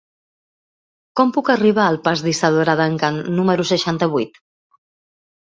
Com puc arribar al pas d'Isadora Duncan número seixanta-vuit?